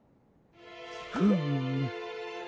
フーム。